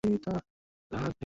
তাড়াতাড়ি, ফিলিপ।